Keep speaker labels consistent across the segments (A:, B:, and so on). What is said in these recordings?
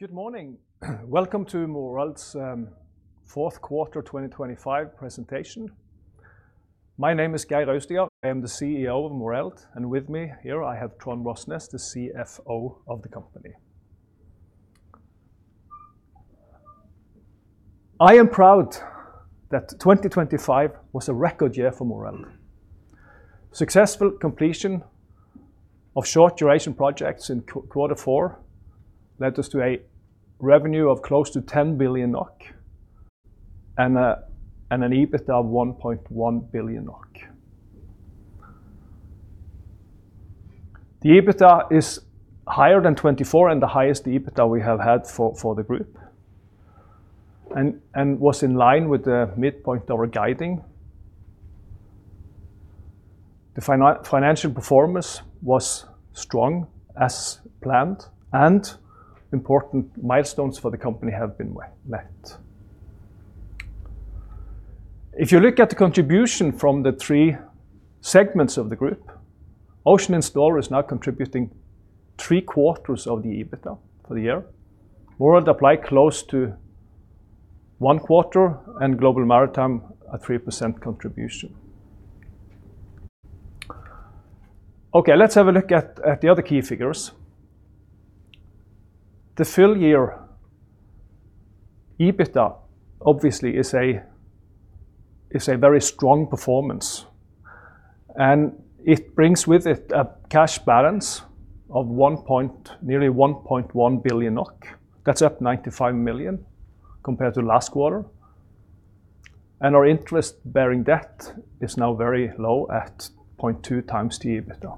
A: Good morning. Welcome to Moreld's fourth quarter 2025 presentation. My name is Geir Austigard. I am the CEO of Moreld, and with me here, I have Trond Rosnes, the CFO of the company. I am proud that 2025 was a record year for Moreld. Successful completion of short-duration projects in quarter four led us to a revenue of close to 10 billion NOK, and an EBITDA of 1.1 billion NOK. The EBITDA is higher than 2024 and the highest EBITDA we have had for the group, and was in line with the midpoint of our guiding. The financial performance was strong as planned, and important milestones for the company have been met. If you look at the contribution from the three segments of the group, Ocean Installer is now contributing three quarters of the EBITDA for the year. Moreld Apply, close to 25%, and Global Maritime, a 3% contribution. Okay, let's have a look at the other key figures. The full year EBITDA, obviously, is a very strong performance, and it brings with it a cash balance of nearly 1.1 billion NOK. That's up 95 million compared to last quarter, and our interest-bearing debt is now very low at 0.2 times the EBITDA.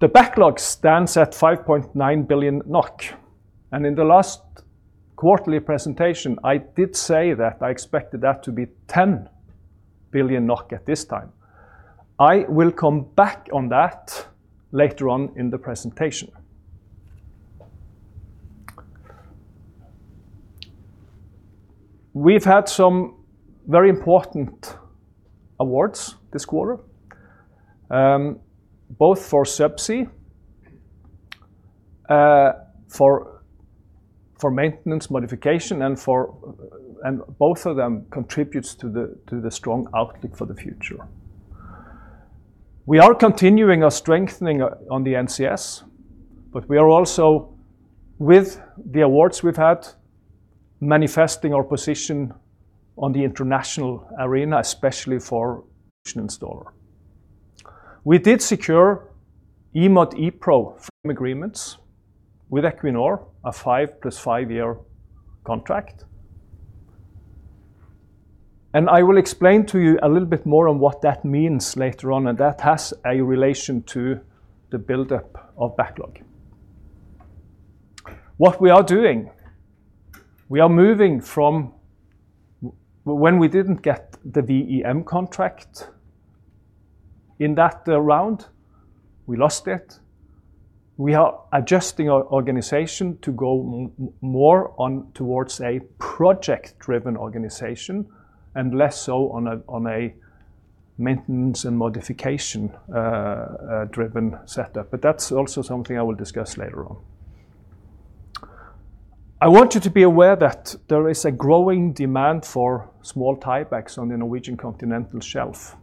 A: The backlog stands at 5.9 billion NOK, and in the last quarterly presentation, I did say that I expected that to be 10 billion NOK at this time. I will come back on that later on in the presentation. We've had some very important awards this quarter, both for subsea, for maintenance, modification, and both of them contributes to the strong outlook for the future. We are continuing our strengthening on the NCS, but we are also, with the awards we've had, manifesting our position on the international arena, especially for Ocean Installer. We did secure E-MOD, E-PRO frame agreements with Equinor, a 5+5-year contract. I will explain to you a little bit more on what that means later on, and that has a relation to the buildup of backlog. What we are doing, we are moving from... When we didn't get the V&M contract in that round, we lost it. We are adjusting our organization to go more on towards a project-driven organization and less so on a, on a maintenance and modification driven setup. That's also something I will discuss later on. I want you to be aware that there is a growing demand for small tiebacks on the Norwegian Continental Shelf,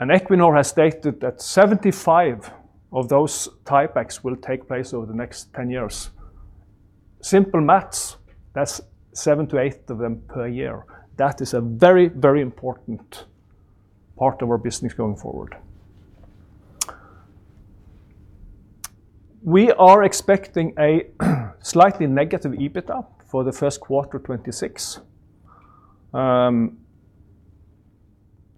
A: and Equinor has stated that 75 of those tiebacks will take place over the next 10 years. Simple math, that's 7-8 of them per year. That is a very, very important part of our business going forward. We are expecting a slightly negative EBITDA for the first quarter 2026.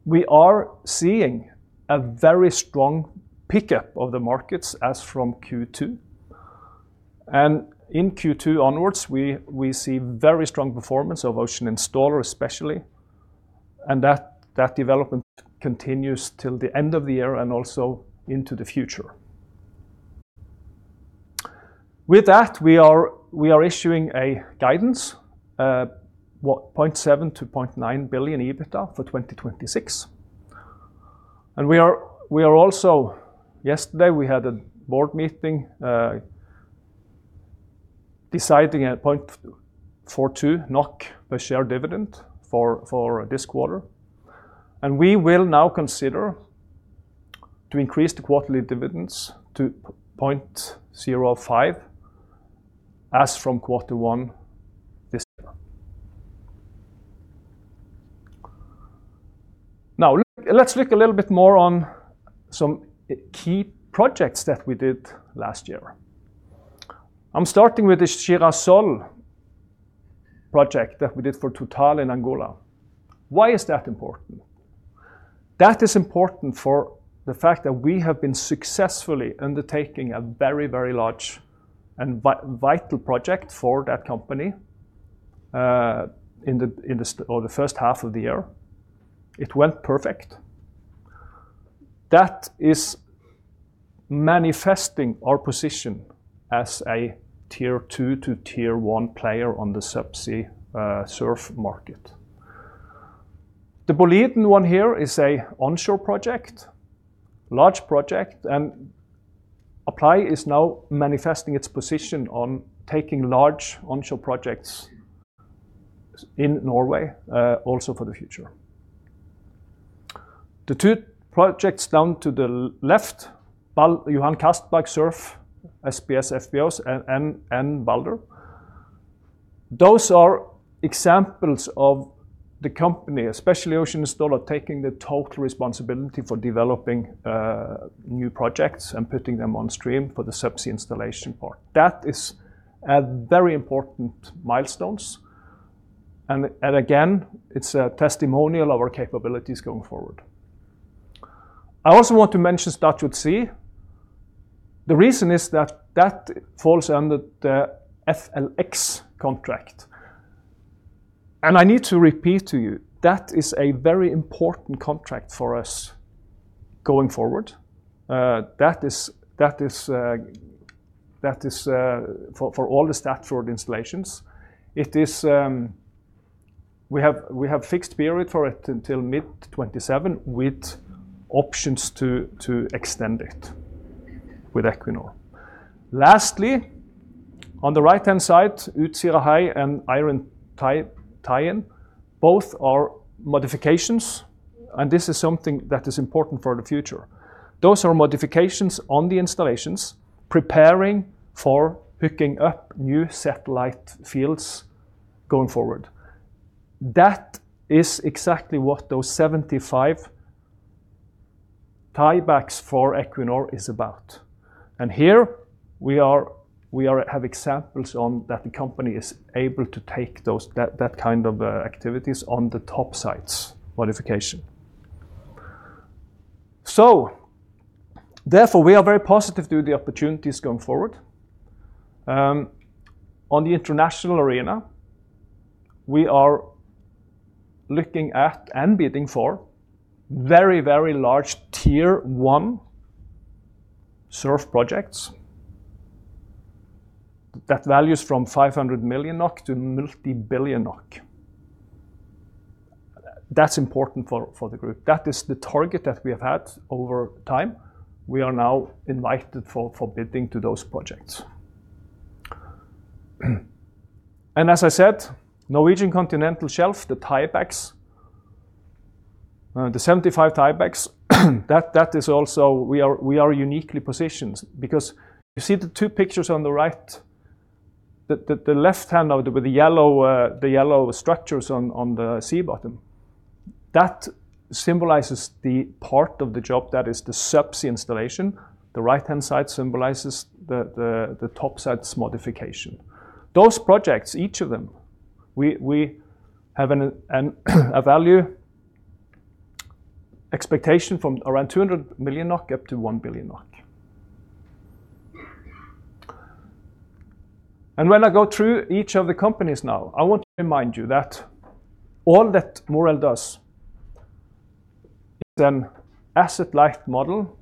A: We are seeing a very strong pickup of the markets as from Q2, and in Q2 onwards, we see very strong performance of Ocean Installer, especially, and that development continues till the end of the year and also into the future. With that, we are issuing a guidance, 0.7-0.9 billion NOK EBITDA for 2026. And we are also... Yesterday, we had a board meeting deciding 0.42 NOK per share dividend for this quarter, and we will now consider to increase the quarterly dividends to 0.5 NOK as from quarter one this year. Now, let's look a little bit more on some key projects that we did last year. I'm starting with the Girassol project that we did for Total in Angola. Why is that important? That is important for the fact that we have been successfully undertaking a very, very large and vital project for that company in the first half of the year. It went perfect. That is manifesting our position as a Tier Two to Tier One player on the subsea SURF market. The Boliden one here is an onshore project, large project, and Apply is now manifesting its position on taking large onshore projects in Norway, also for the future. The two projects down to the left, Johan Castberg SURF, SPS, FPSOs, and Balder, those are examples of the company, especially Ocean Installer, taking the total responsibility for developing new projects and putting them on stream for the subsea installation part. That is a very important milestone, and again, it's a testimonial of our capabilities going forward. I also want to mention Statfjord C. The reason is that that falls under the FLX contract. I need to repeat to you, that is a very important contract for us going forward. That is for all the Statfjord installations. It is, we have, we have fixed period for it until mid-2027, with options to, to extend it with Equinor. Lastly, on the right-hand side, Utsira High and Eirin tie-in, both are modifications, and this is something that is important for the future. Those are modifications on the installations, preparing for picking up new satellite fields going forward. That is exactly what those 75 tiebacks for Equinor is about. And here, we are, have examples on that the company is able to take those, that kind of, activities on the topsides modification. So therefore, we are very positive to the opportunities going forward. On the international arena, we are looking at and bidding for very, very large Tier One SURF projects. That values from 500 million NOK to multi-billion NOK. That's important for, for the group. That is the target that we have had over time. We are now invited for bidding to those projects. And as I said, Norwegian Continental Shelf, the tiebacks, the 75 tiebacks, that is also... We are uniquely positioned because you see the two pictures on the right, the left hand of the with the yellow structures on the sea bottom. That symbolizes the part of the job that is the subsea installation. The right-hand side symbolizes the topsides modification. Those projects, each of them, we have a value expectation from around 200 million NOK up to 1 billion NOK. And when I go through each of the companies now, I want to remind you that all that Moreld does is an asset-light model.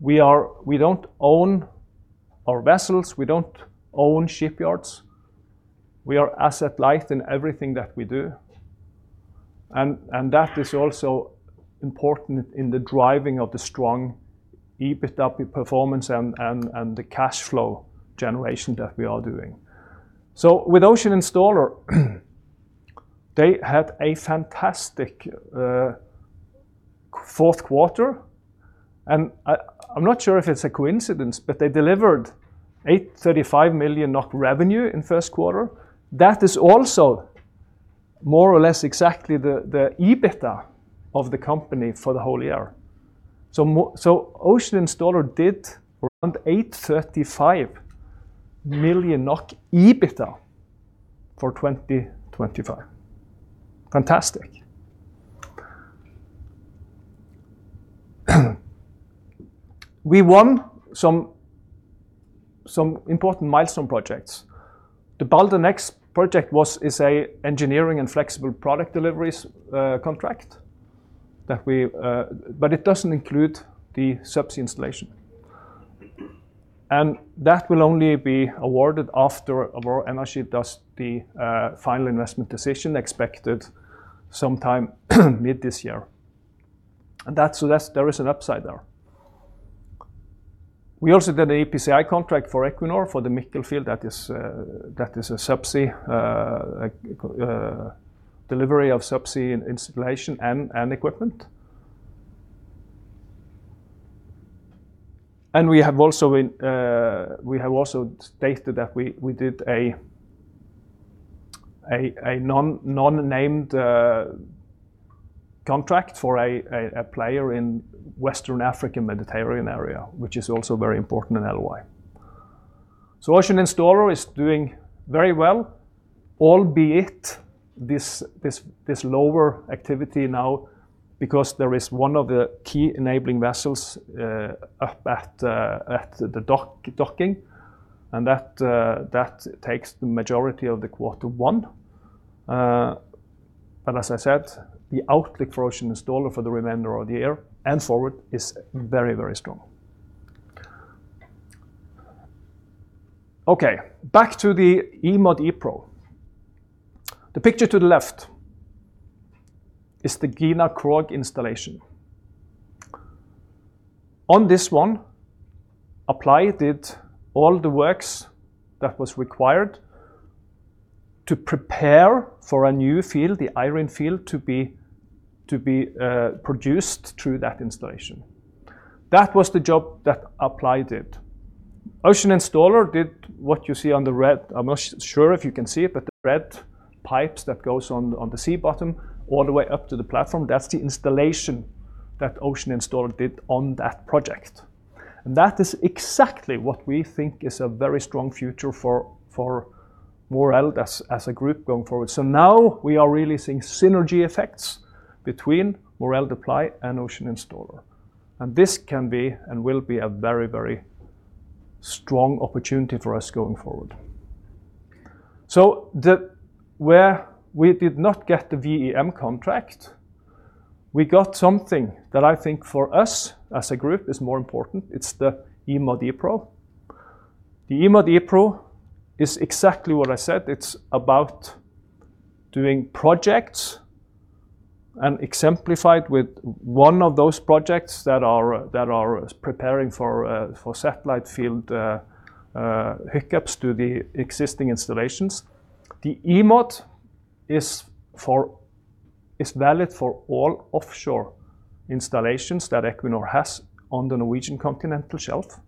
A: We don't own our vessels, we don't own shipyards. We are asset-light in everything that we do, and that is also important in the driving of the strong EBITDA performance and the cash flow generation that we are doing. So with Ocean Installer, they had a fantastic fourth quarter, and I'm not sure if it's a coincidence, but they delivered 835 million NOK revenue in first quarter. That is also more or less exactly the EBITDA of the company for the whole year. So Ocean Installer did around 835 million NOK EBITDA for 2025. Fantastic! We won some important milestone projects. The Balder Next project was, is an engineering and flexible product deliveries contract that we... But it doesn't include the subsea installation. And that will only be awarded after Vår Energi does the final investment decision, expected sometime mid this year. And that's, so there is an upside there. We also got an EPCI contract for Equinor, for the Mikkel field that is a subsea delivery of subsea installation and equipment. And we have also in, we have also stated that we did a non-named contract for a player in West African Mediterranean area, which is also very important in Libya. So Ocean Installer is doing very well, albeit this lower activity now because there is one of the key enabling vessels up at the docking, and that takes the majority of quarter one. But as I said, the outlook for Ocean Installer for the remainder of the year and forward is very, very strong. Okay, back to the E-MOD/E-PRO. The picture to the left is the Gina Krog installation. On this one, Apply did all the works that was required to prepare for a new field, the Eirin field, to be produced through that installation. That was the job that Apply did. Ocean Installer did what you see on the red. I'm not sure if you can see it, but the red pipes that goes on the sea bottom all the way up to the platform, that's the installation that Ocean Installer did on that project. And that is exactly what we think is a very strong future for Moreld as a group going forward. So now we are really seeing synergy effects between Moreld Apply and Ocean Installer, and this can be, and will be, a very, very strong opportunity for us going forward. So where we did not get the V&M contract, we got something that I think for us as a group is more important. It's the E-MOD/E-PRO. The E-MOD/E-PRO is exactly what I said. It's about doing projects and exemplified with one of those projects that are preparing for satellite field hiccups to the existing installations. The E-MOD is valid for all offshore installations that Equinor has on the Norwegian Continental Shelf.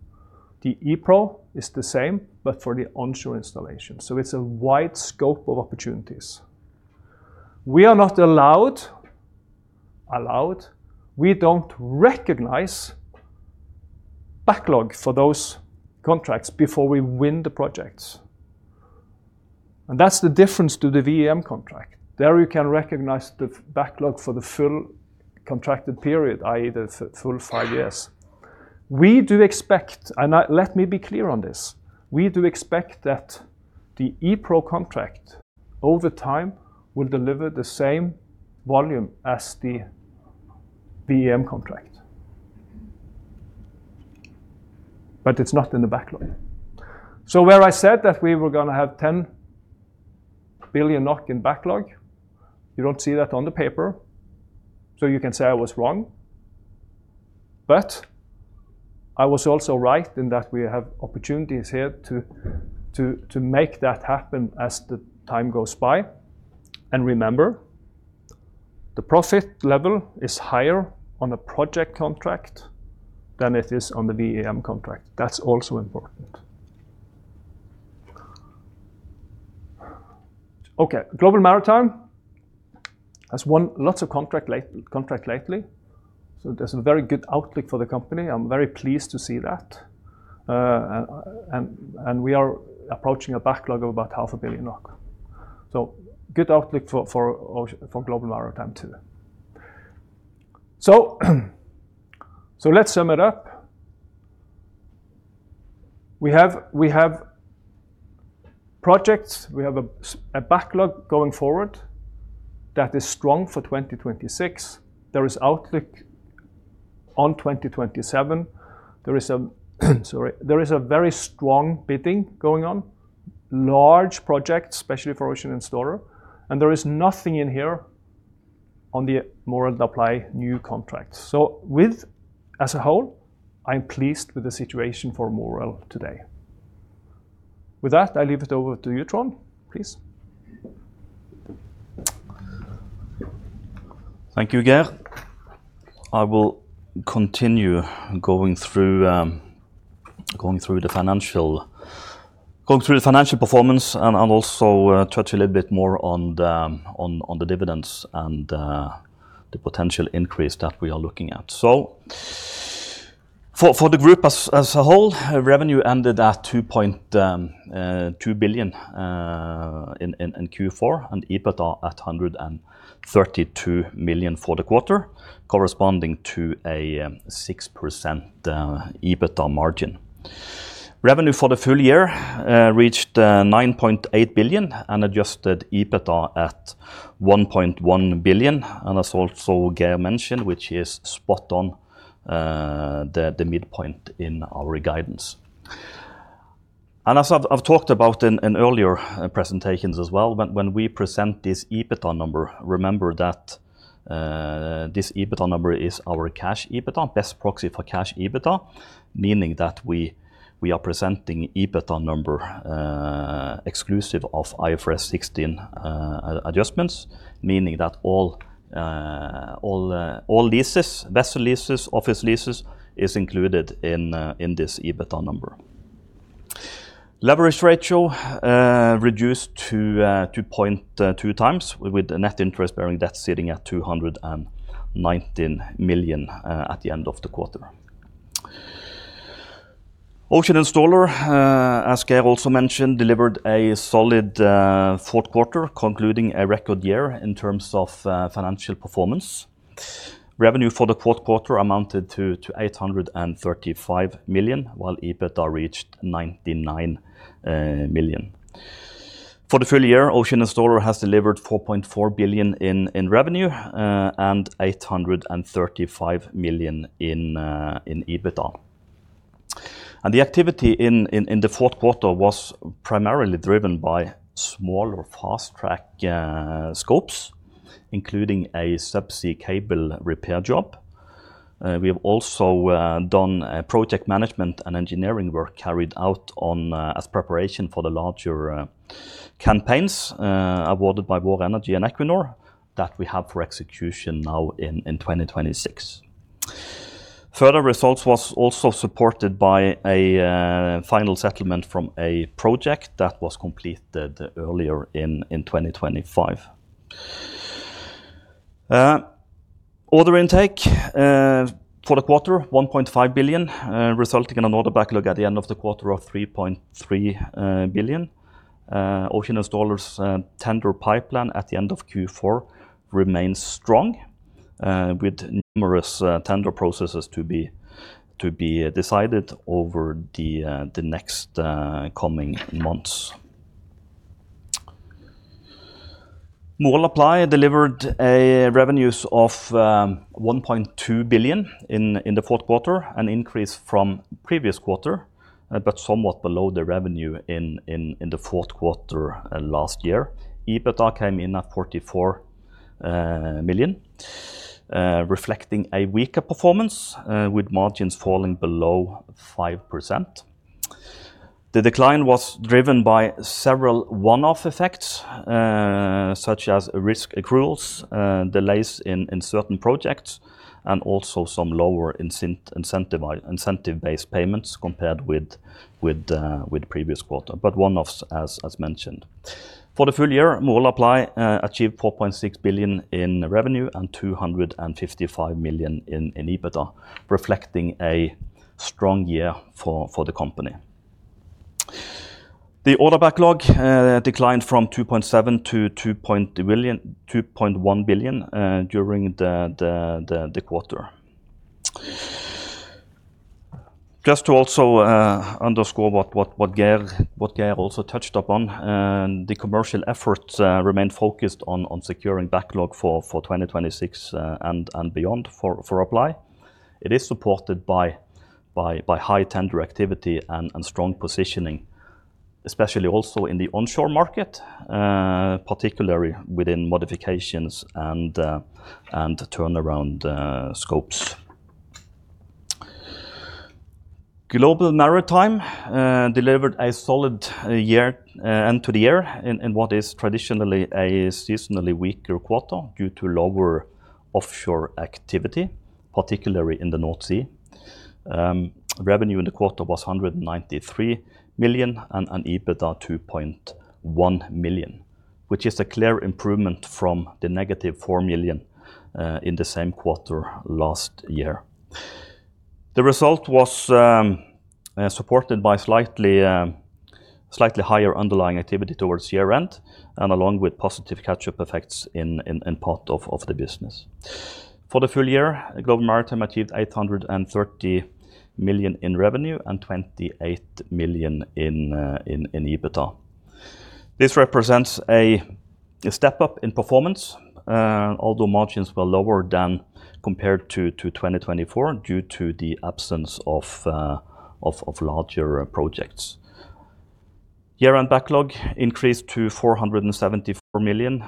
A: The E-PRO is the same, but for the onshore installation, so it's a wide scope of opportunities. We are not allowed... We don't recognize backlog for those contracts before we win the projects, and that's the difference to the V&M contract. There, you can recognize the backlog for the full contracted period, i.e., the full five years. We do expect, and, let me be clear on this, we do expect that the E-PRO contract, over time, will deliver the same volume as the V&M contract. But it's not in the backlog. So where I said that we were going to have 10 billion NOK in backlog, you don't see that on the paper, so you can say I was wrong, but I was also right in that we have opportunities here to make that happen as the time goes by. And remember, the profit level is higher on a project contract than it is on the V&M contract. That's also important. Okay, Global Maritime has won lots of contracts lately, so there's a very good outlook for the company. I'm very pleased to see that. And we are approaching a backlog of about 500 million. So good outlook for Global Maritime, too. So let's sum it up. We have projects, we have a backlog going forward that is strong for 2026. There is outlook on 2027. There is a very strong bidding going on, large projects, especially for Ocean Installer, and there is nothing in here on the Moreld Apply new contracts. So, as a whole, I'm pleased with the situation for Moreld today. With that, I leave it over to you, Trond, please.
B: Thank you, Geir. I will continue going through the financial performance and also touch a little bit more on the dividends and the potential increase that we are looking at. So for the group as a whole, revenue ended at 2.2 billion in Q4 and EBITDA at 132 million for the quarter, corresponding to a 6% EBITDA margin. Revenue for the full year reached 9.8 billion and adjusted EBITDA at 1.1 billion, and as also Geir mentioned, which is spot on, the midpoint in our guidance. As I've talked about in earlier presentations as well, when we present this EBITDA number, remember that this EBITDA number is our cash EBITDA, best proxy for cash EBITDA, meaning that we are presenting EBITDA number exclusive of IFRS 16 adjustments, meaning that all leases, vessel leases, office leases, is included in this EBITDA number. Leverage ratio reduced to 2.2 times, with the net interest bearing debt sitting at 219 million at the end of the quarter. Ocean Installer, as Geir also mentioned, delivered a solid fourth quarter, concluding a record year in terms of financial performance. Revenue for the fourth quarter amounted to 835 million, while EBITDA reached 99 million. For the full year, Ocean Installer has delivered 4.4 billion in revenue and 835 million in EBITDA. The activity in the fourth quarter was primarily driven by small or fast track scopes, including a subsea cable repair job. We have also done a project management and engineering work carried out on as preparation for the larger campaigns awarded by Vår Energi and Equinor that we have for execution now in 2026. Further results was also supported by a final settlement from a project that was completed earlier in 2025. Order intake for the quarter, 1.5 billion, resulting in an order backlog at the end of the quarter of 3.3 billion. Ocean Installer tender pipeline at the end of Q4 remains strong, with numerous tender processes to be decided over the next coming months. Moreld Apply delivered a revenues of 1.2 billion in the fourth quarter, an increase from previous quarter, but somewhat below the revenue in the fourth quarter last year. EBITDA came in at 44 million, reflecting a weaker performance, with margins falling below 5%. The decline was driven by several one-off effects, such as risk accruals, delays in certain projects, and also some lower incentive-based payments compared with previous quarter, but one-offs, as mentioned. For the full year, Moreld Apply achieved 4.6 billion in revenue and 255 million in EBITDA, reflecting a strong year for the company. The order backlog declined from 2.7 billion to 2.1 billion during the quarter. Just to also underscore what Geir also touched upon, and the commercial efforts remain focused on securing backlog for 2026 and beyond for Apply. It is supported by high tender activity and strong positioning, especially also in the onshore market, particularly within modifications and turnaround scopes. Global Maritime delivered a solid year end to the year in what is traditionally a seasonally weaker quarter due to lower offshore activity, particularly in the North Sea. Revenue in the quarter was 193 million and an EBITDA 2.1 million, which is a clear improvement from the -4 million in the same quarter last year. The result was supported by slightly higher underlying activity towards year-end, and along with positive catch-up effects in part of the business. For the full year, Global Maritime achieved 830 million in revenue and 28 million in EBITDA. This represents a step up in performance, although margins were lower than compared to 2024, due to the absence of larger projects. Year-end backlog increased to 474 million,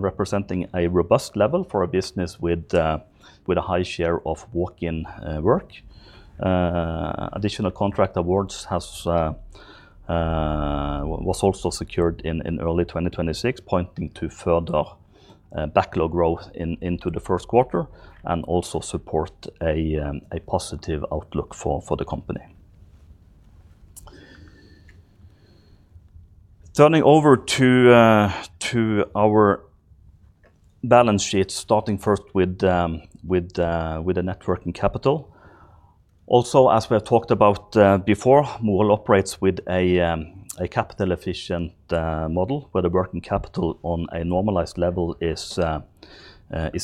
B: representing a robust level for a business with a high share of walk-in work. Additional contract awards was also secured in early 2026, pointing to further backlog growth into the first quarter, and also support a positive outlook for the company. Turning over to our balance sheet, starting first with the net working capital. Also, as we have talked about before, Moreld operates with a capital efficient model, where the working capital on a normalized level is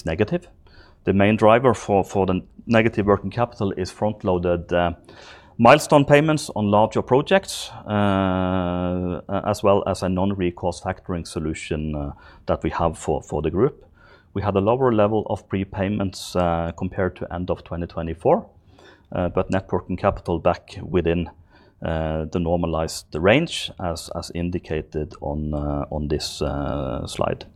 B: negative. The main driver for the negative working capital is front-loaded milestone payments on larger projects, as well as a non-recourse factoring solution that we have for the group. We had a lower level of prepayments compared to end of 2024, but net working capital back within the normalized range, as indicated on this slide.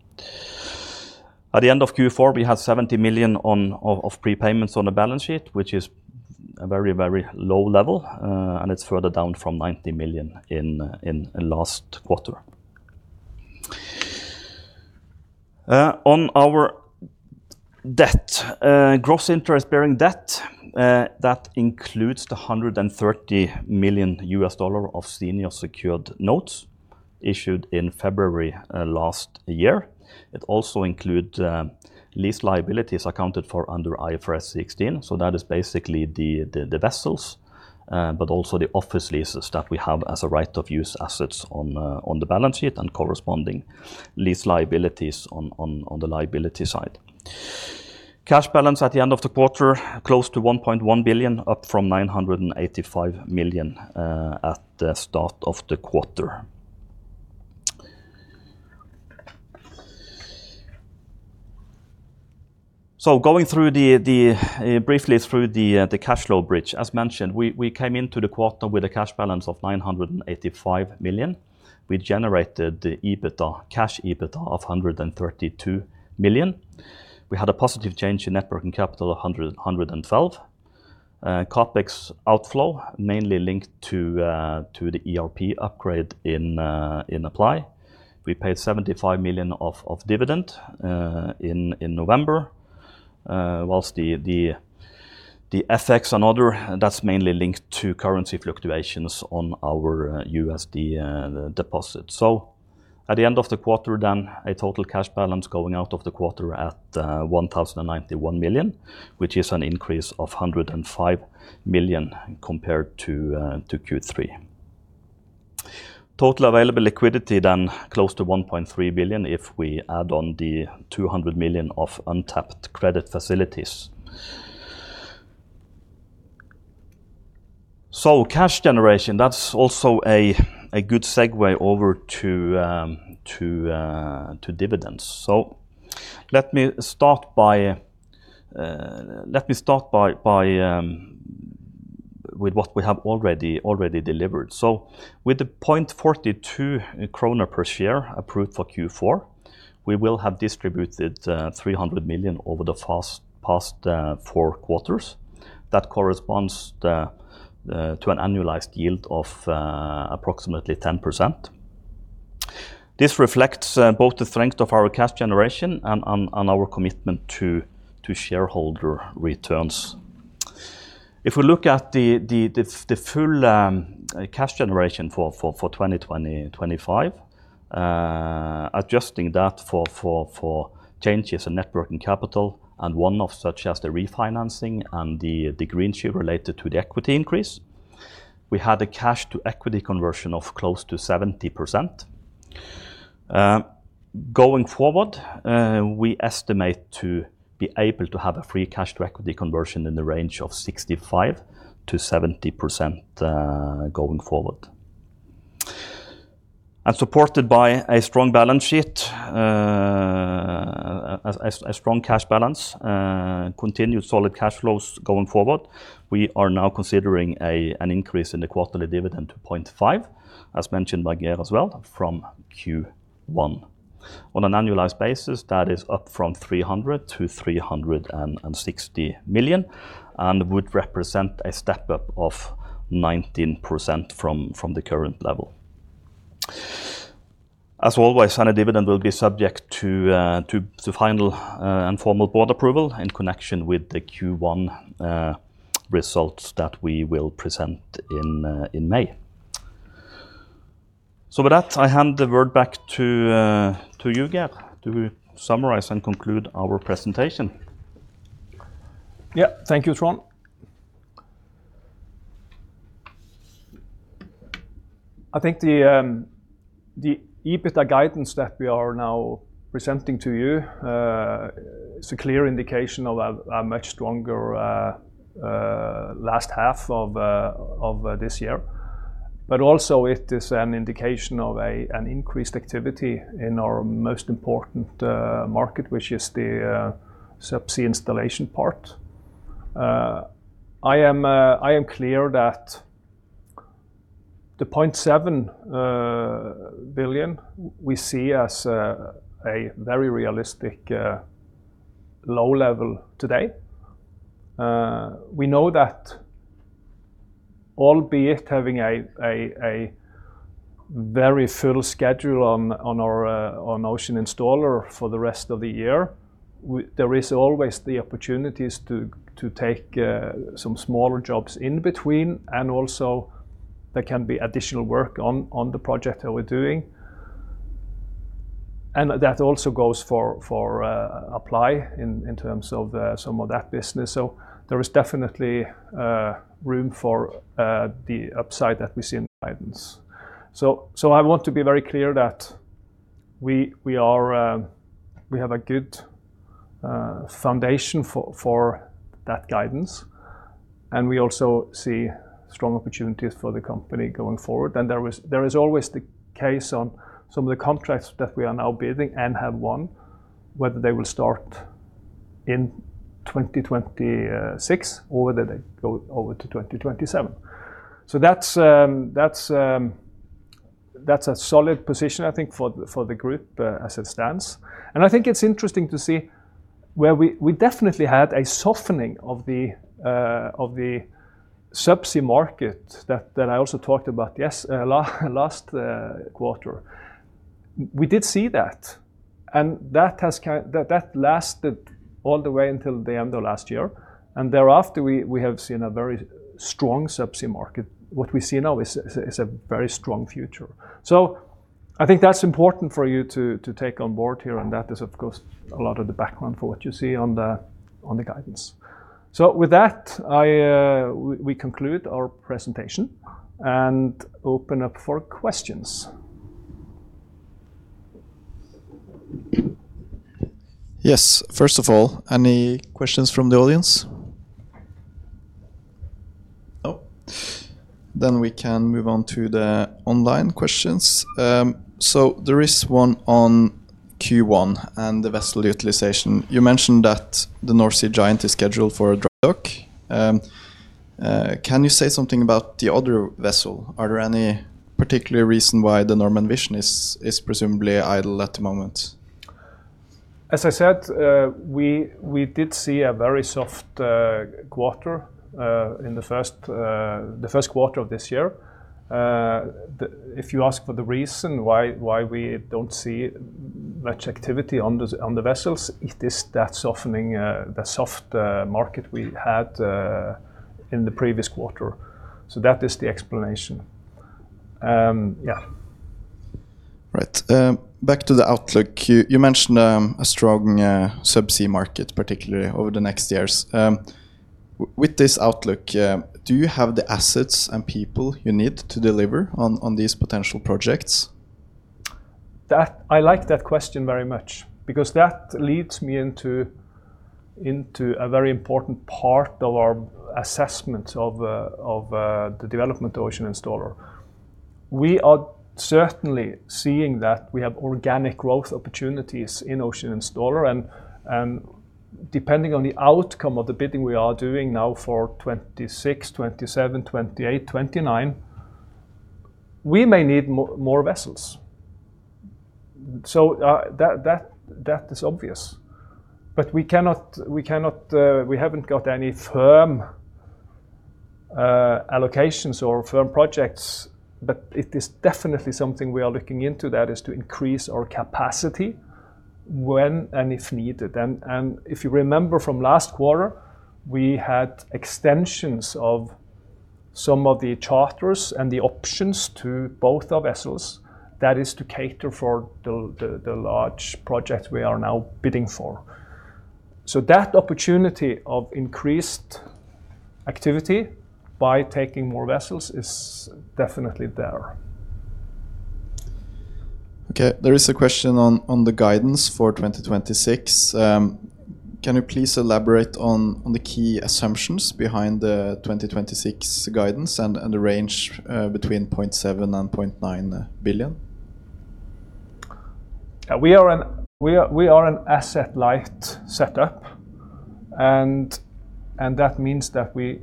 B: At the end of Q4, we had 70 million of prepayments on the balance sheet, which is a very, very low level, and it's further down from 90 million in last quarter. On our debt, gross interest bearing debt, that includes the $130 million of senior secured notes issued in February last year. It also include lease liabilities accounted for under IFRS 16. So that is basically the vessels, but also the office leases that we have as right-of-use assets on the balance sheet and corresponding lease liabilities on the liability side. Cash balance at the end of the quarter, close to 1.1 billion, up from 985 million at the start of the quarter. So going briefly through the cash flow bridge. As mentioned, we came into the quarter with a cash balance of 985 million. We generated EBITDA, cash EBITDA of 132 million. We had a positive change in net working capital, 112 million. CapEx outflow, mainly linked to the ERP upgrade in Apply. We paid 75 million of dividend in November, while the FX and other, that's mainly linked to currency fluctuations on our USD deposit. So at the end of the quarter, a total cash balance going out of the quarter at 1,091 million, which is an increase of 105 million compared to Q3. Total available liquidity close to 1.3 billion, if we add on the 200 million of untapped credit facilities. So cash generation, that's also a good segue over to dividends. So let me start by with what we have already delivered. So with the 0.42 krone per share approved for Q4, we will have distributed 300 million over the past 4 quarters. That corresponds to an annualized yield of approximately 10%. This reflects both the strength of our cash generation and our commitment to shareholder returns. If we look at the full cash generation for 2025, adjusting that for changes in net working capital and one-off such as the refinancing and the green shoe related to the equity increase, we had a cash-to-equity conversion of close to 70%. Going forward, we estimate to be able to have a free cash to equity conversion in the range of 65%-70%, going forward. Supported by a strong balance sheet, a strong cash balance, continued solid cash flows going forward, we are now considering an increase in the quarterly dividend to 0.5, as mentioned by Geir as well, from Q1. On an annualized basis, that is up from 300 million-360 million, and would represent a step-up of 19% from the current level. As always, any dividend will be subject to final and formal board approval in connection with the Q1 results that we will present in May. With that, I hand the word back to you, Geir, to summarize and conclude our presentation.
A: Yeah. Thank you, Trond. I think the, the EBITDA guidance that we are now presenting to you is a clear indication of a much stronger last half of this year. But also it is an indication of an increased activity in our most important market, which is the Subsea installation part. I am clear that the 0.7 billion, we see as a very realistic low level today. We know that albeit having a very full schedule on our Ocean Installer for the rest of the year, there is always the opportunities to take some smaller jobs in between, and also there can be additional work on the project that we're doing. That also goes for Apply in terms of some of that business. So there is definitely room for the upside that we see in the guidance. So I want to be very clear that we have a good foundation for that guidance, and we also see strong opportunities for the company going forward. Then there is always the case on some of the contracts that we are now bidding and have won, whether they will start in 2026 or whether they go over to 2027. So that's a solid position, I think, for the group as it stands. And I think it's interesting to see where we definitely had a softening of the of the Subsea market that that I also talked about, yes, last quarter. We did see that, and that has lasted all the way until the end of last year, and thereafter, we have seen a very strong Subsea market. What we see now is a very strong future. So I think that's important for you to take on board here, and that is, of course, a lot of the background for what you see on the guidance. So with that, we conclude our presentation and open up for questions....
C: Yes. First of all, any questions from the audience? No. Then we can move on to the online questions. So there is one on Q1 and the vessel utilization. You mentioned that the North Sea Giant is scheduled for a dry dock. Can you say something about the other vessel? Are there any particular reason why the Normand Vision is presumably idle at the moment?
A: As I said, we did see a very soft quarter in the first quarter of this year. If you ask for the reason why we don't see much activity on the vessels, it is that softening, the soft market we had in the previous quarter. So that is the explanation. Yeah.
C: Right. Back to the outlook. You mentioned a strong subsea market, particularly over the next years. With this outlook, do you have the assets and people you need to deliver on these potential projects?
A: That... I like that question very much because that leads me into, into a very important part of our assessment of, of, the development of Ocean Installer. We are certainly seeing that we have organic growth opportunities in Ocean Installer, and depending on the outcome of the bidding we are doing now for 2026, 2027, 2028, 2029, we may need more vessels. So, that is obvious. But we cannot... We haven't got any firm allocations or firm projects, but it is definitely something we are looking into, that is, to increase our capacity when and if needed. And if you remember from last quarter, we had extensions of some of the charters and the options to both our vessels. That is to cater for the large project we are now bidding for. So that opportunity of increased activity by taking more vessels is definitely there.
C: Okay, there is a question on the guidance for 2026. Can you please elaborate on the key assumptions behind the 2026 guidance and the range between 0.7 billion and 0.9 billion?
A: We are an asset-light setup, and that means that we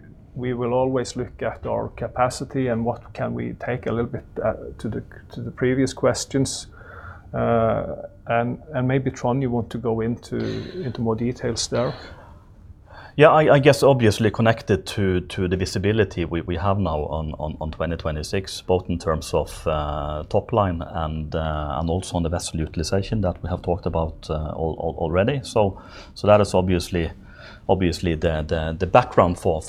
A: will always look at our capacity and what can we take a little bit to the previous questions. And maybe, Trond, you want to go into more details there?
B: Yeah, I guess obviously connected to the visibility we have now on 2026, both in terms of top line and also on the vessel utilization that we have talked about already. So that is obviously the background for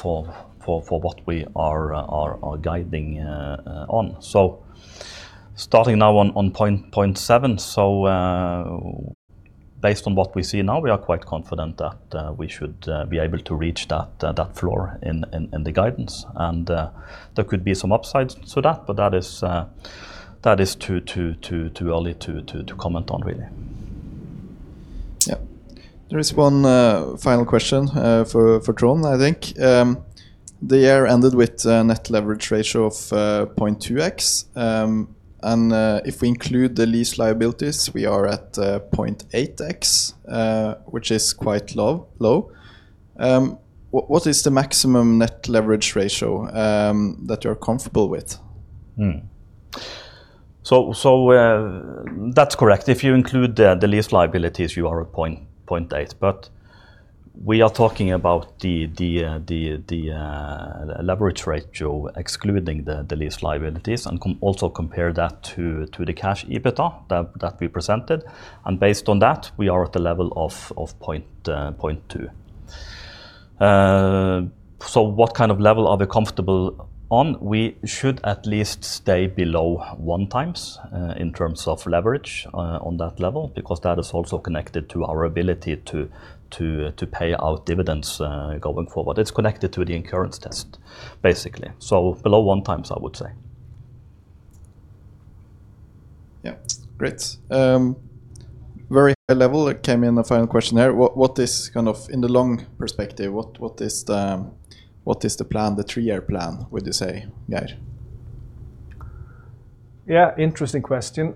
B: what we are guiding on. So starting now on point seven, based on what we see now, we are quite confident that we should be able to reach that floor in the guidance, and there could be some upsides to that, but that is too early to comment on, really.
C: Yeah. There is one final question for Trond, I think. The year ended with a net leverage ratio of 0.2x, and if we include the lease liabilities, we are at 0.8x, which is quite low. What is the maximum net leverage ratio that you're comfortable with?
B: That's correct. If you include the lease liabilities, you are at 0.8, but we are talking about the leverage ratio, excluding the lease liabilities, and also compare that to the cash EBITDA that we presented. And based on that, we are at the level of 0.2. What kind of level are we comfortable on? We should at least stay below 1x in terms of leverage on that level, because that is also connected to our ability to pay out dividends going forward. It's connected to the incurrence test, basically. Below 1x, I would say.
C: Yeah. Great. Very high level, there came in a final question there. What is kind of in the long perspective, what is the plan, the three-year plan, would you say, Geir?
A: Yeah, interesting question.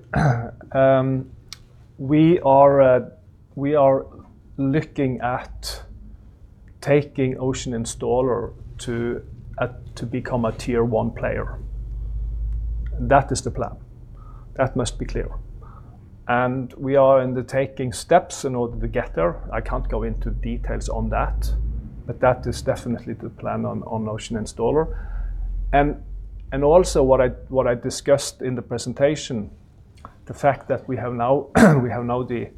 A: We are looking at taking Ocean Installer to become a Tier One player. That is the plan. That must be clear. And we are in the taking steps in order to get there. I can't go into details on that, but that is definitely the plan on Ocean Installer. And also what I discussed in the presentation, the fact that we have now the,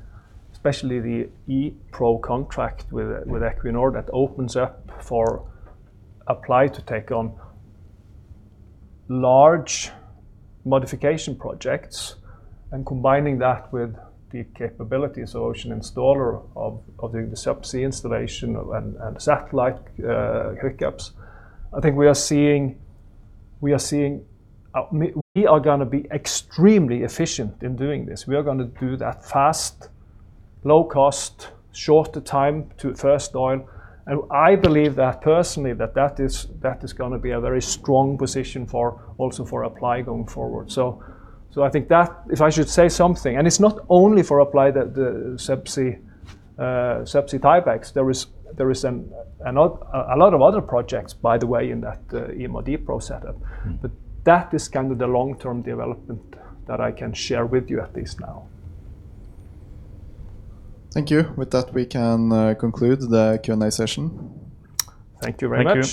A: especially the E-PRO contract with Equinor, that opens up for Apply to take on large modification projects, and combining that with the capabilities of Ocean Installer of doing the subsea installation and satellite hookups. I think we are seeing we are gonna be extremely efficient in doing this. We are gonna do that fast, low cost, shorter time to first oil, and I believe that personally, that is gonna be a very strong position for, also for Apply going forward. So I think that, if I should say something... And it's not only for Apply that the subsea subsea tiebacks. There is a lot of other projects, by the way, in that E-MOD PRO setup.
C: Mm-hmm.
A: That is kind of the long-term development that I can share with you at least now.
C: Thank you. With that, we can conclude the Q&A session.
A: Thank you very much.